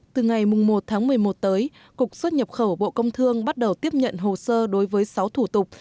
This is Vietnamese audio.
từ ngày một tháng một mươi một tới cục xuất nhập khẩu bộ công thương bắt đầu tiếp nhận hồ sơ đối với sáu thủ tục